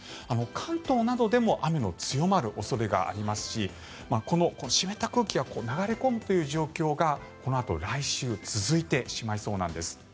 関東などでも雨の強まる恐れがありますしこの湿った空気が流れ込むという状況がこのあと来週続いてしまいそうなんです。